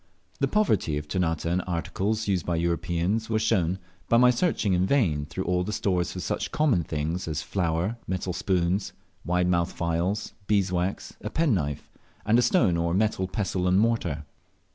The poverty of Ternate in articles used by Europeans was shown, by my searching in vain through all the stores for such common things as flour, metal spoons, wide mouthed phials, beeswax, a penknife, and a stone or metal pestle and mortar.